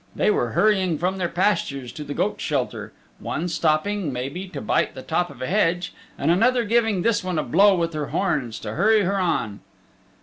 They were hurrying from their pastures to the goat shelter, one stopping, maybe, to bite the top of a hedge and another giving this one a blow with her horns to hurry her on.